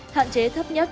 thạn chế thấp nhất